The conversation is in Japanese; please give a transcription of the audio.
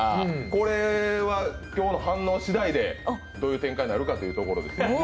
これは今日の反応しだいでどういう展開になるかということですね。